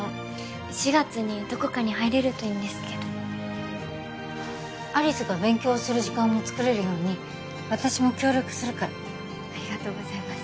４月にどこかに入れるといいんですけど有栖が勉強する時間も作れるように私も協力するからありがとうございます